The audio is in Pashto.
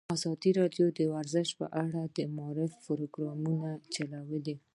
ازادي راډیو د ورزش په اړه د معارفې پروګرامونه چلولي.